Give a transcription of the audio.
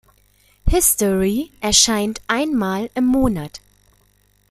History erscheint einmal im Monat.